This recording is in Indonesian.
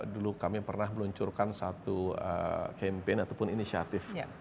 dulu kami pernah meluncurkan satu campaign ataupun inisiatif